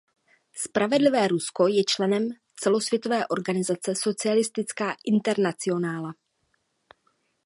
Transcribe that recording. Spravedlivé Rusko je členem celosvětové organizace Socialistická internacionála.